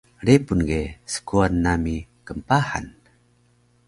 Repun ge skuwan nami knpahan